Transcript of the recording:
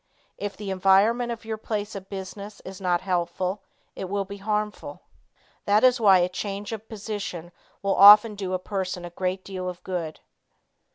If the environment of your place of business is not helpful, it will be harmful. That is why a change of position will often do a person a great deal of good.